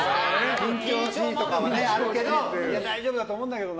緊張しいとかはあるけど大丈夫だと思うんだけどな。